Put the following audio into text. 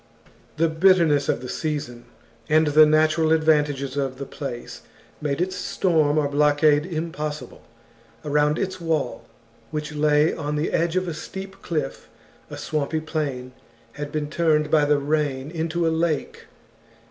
The bitterness of the season, and the natural advantages of the place, made its storm or blockade impossible. Around its wall, which lay on the edge of a steep cliff, a swampy plain had been turned by the rain into a lake.